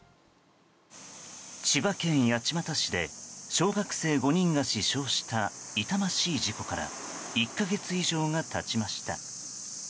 千葉県八街市で小学生５人が死傷した痛ましい事故から１か月以上が経ちました。